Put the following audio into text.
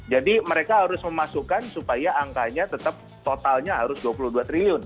jadi mereka harus memasukkan supaya angkanya tetap totalnya harus dua puluh dua triliun